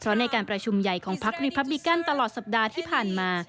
เพราะในการประชุมใหญ่ของพักรีพับบิกันตลอดสัปดาห์ที่ผ่านมา